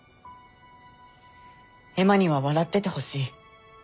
エマには笑っててほしい。